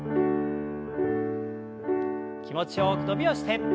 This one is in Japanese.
気持ちよく伸びをして。